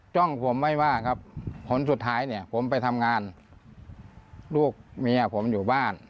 จ้องผมไม่ว่างครับผลสุดท้ายเนี่ยผมไปทำงานลูกเมียผมอยู่บ้าน